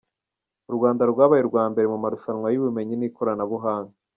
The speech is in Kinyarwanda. U Rwanda rwabaye urwa mbere mu marushanwa y’Ubumenyi n’Ikoranabuhanga